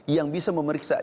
yang bisa memeriksa